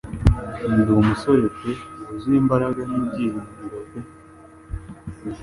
Ndi umusore pe wuzuye imbaraga n'ibyiringiro pe